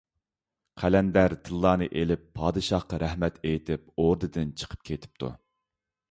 قەلەندەر تىللانى ئېلىپ، پادىشاھقا رەھمەت ئېيتىپ ئوردىدىن چىقىپ كېتىپتۇ.